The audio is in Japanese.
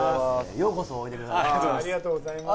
ようこそおいでくださいました